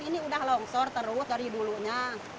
ini sudah longsor terus dari bulunya